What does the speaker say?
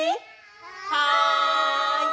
はい！